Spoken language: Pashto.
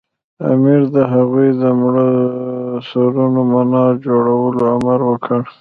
امیر د هغوی د مړو د سرونو منار جوړولو امر وکړ.